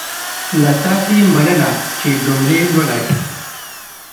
له تاسې مننه چې جملې لولئ.